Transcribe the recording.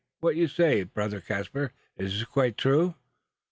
What you say, brother Caspar, is quite true.